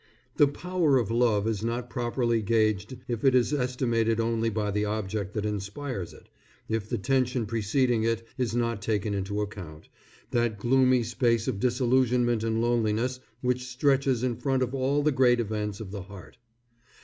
The power of love is not properly gauged if it is estimated only by the object that inspires it, if the tension preceding it is not taken into account that gloomy space of disillusionment and loneliness which stretches in front of all the great events of the heart.